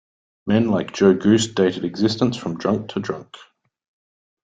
Men like Joe Goose dated existence from drunk to drunk.